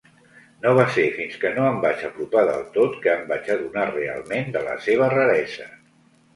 No va ser fins que no em vaig apropar del tot que em vaig adonar realment de la seva raresa.